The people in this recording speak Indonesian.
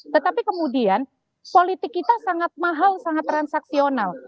tetapi kemudian politik kita sangat mahal sangat transaksional